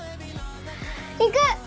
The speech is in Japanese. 行く！